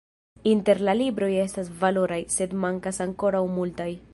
Inter la libroj estas valoraj, sed mankas ankoraŭ multaj.